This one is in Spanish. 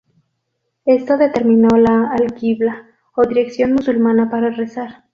Esto determinó la alquibla, o dirección musulmana para rezar.